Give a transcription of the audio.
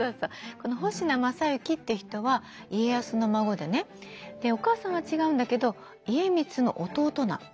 この保科正之って人は家康の孫でねお母さんが違うんだけど家光の弟なの。